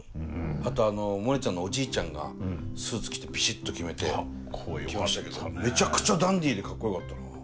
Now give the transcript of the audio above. あとあのモネちゃんのおじいちゃんがスーツ着てピシッと決めて来ましたけどめちゃくちゃダンディーでかっこよかったな。